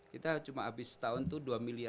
kita cuma habis setahun tuh dua miliar tiga miliar